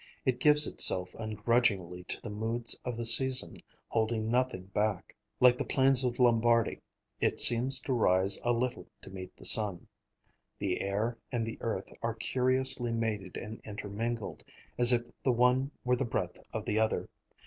It gives itself ungrudgingly to the moods of the season, holding nothing back. Like the plains of Lombardy, it seems to rise a little to meet the sun. The air and the earth are curiously mated and intermingled, as if the one were the breath of the other.